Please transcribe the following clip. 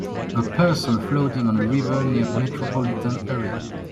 A person floating on a river near a metropolitan area